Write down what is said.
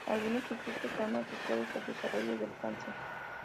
Algunas ciclinas están asociadas al desarrollo del cáncer.